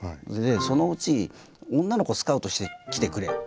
そのうち「女の子スカウトしてきてくれ」って言われて。